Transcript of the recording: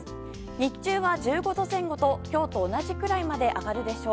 日中は１５度前後と今日と同じくらいまで上がるでしょう。